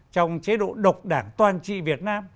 trong chế độ độc đảng toàn trị việt nam